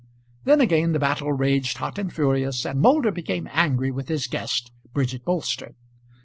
Then again the battle raged hot and furious, and Moulder became angry with his guest, Bridget Bolster.